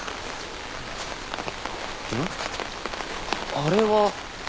あれは。